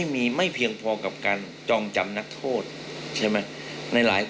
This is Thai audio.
มีไม่เพียงพอกับการจองจำนักโทษใช่ไหม